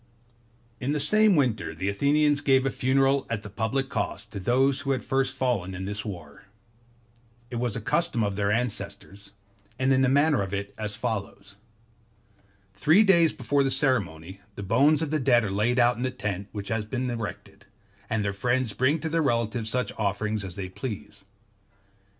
In the same winter the Athenians gave a funeral at the public cost to those who had first fallen in this war. It was a custom of their ancestors, and the manner of it is as follows. Three days before the ceremony, the bones of the dead are laid out in a tent which has been erected; and their friends bring to their relatives such offerings as they please.